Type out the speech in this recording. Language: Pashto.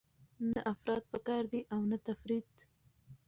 نه افراط پکار دی او نه تفریط.